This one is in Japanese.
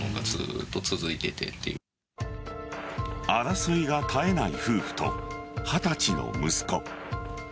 争いが絶えない夫婦と二十歳の息子。